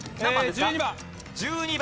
１２番。